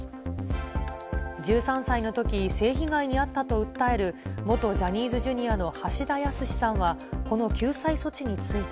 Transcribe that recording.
１３歳のとき、性被害に遭ったと訴える元ジャニーズＪｒ．の橋田康さんは、この救済措置について。